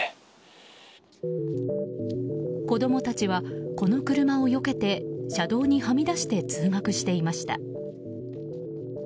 子供たちはこの車をよけて車道にはみ出して通学していました。